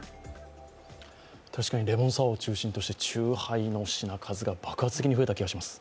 確かにレモンサワーを中心とした酎ハイの品数が爆発的に増えた気がします。